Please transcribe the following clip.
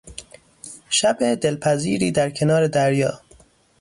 شب دلپذیری در کنار دریا